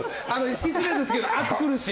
失礼ですけど暑苦しい！